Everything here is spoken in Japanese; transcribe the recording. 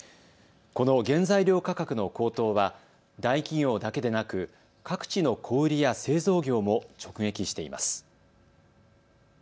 この原材料価格の高騰は大企業だけでなく各地の小売りや製造業も直撃しています。